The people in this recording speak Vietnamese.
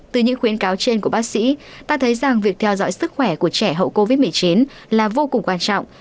từ những khuyến cáo trên của bác sĩ ta thấy rằng việc theo dõi sức khỏe của trẻ hậu covid một mươi chín là vô cùng quan trọng